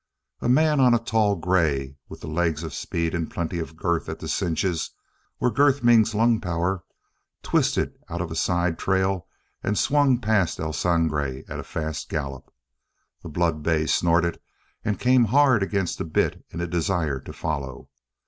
A man on a tall gray, with the legs of speed and plenty of girth at the cinches, where girth means lung power, twisted out of a side trail and swung past El Sangre at a fast gallop. The blood bay snorted and came hard against the bit in a desire to follow.